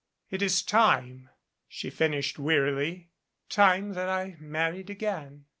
It is time " she finished wearily, "time that I married again.